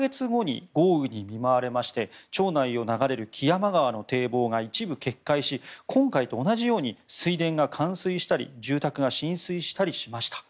その２か月後に豪雨に見舞われまして町内を流れる木山川の堤防が一部決壊し、今回と同じように水田が冠水したり住宅が浸水したりしました。